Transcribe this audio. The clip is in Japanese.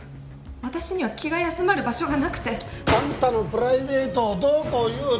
「私には気が休まる場所がなくて」あんたのプライベートをどうこう言うつもりはないよ。